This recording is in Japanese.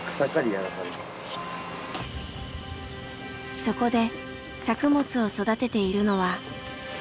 そこで作物を育てているのは。